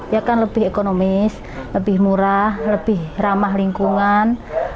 ya kan lebih ekonomis lebih murah lebih ramah lingkungan